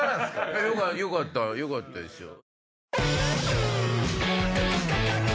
よかったよかったですよ。